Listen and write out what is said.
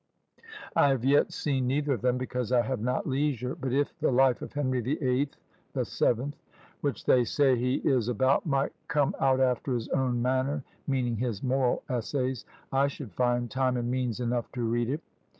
I have yet seen neither of them, because I have not leisure; but if the Life of Henry the Eighth (the Seventh), which they say he is about, might come out after his own manner (meaning his Moral Essays), I should find time and means enough to read it."